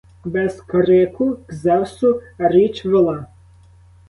Без крику к Зевсу річ вела: